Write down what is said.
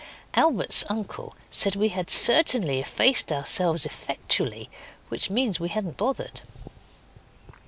Albert's uncle said we had certainly effaced ourselves effectually, which means we hadn't bothered.